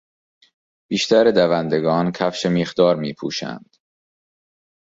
بیشتر دوندگان کفش میخدار میپوشند.